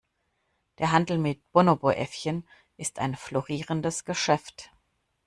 Der Handel mit Bonobo-Äffchen ist ein florierendes Geschäft.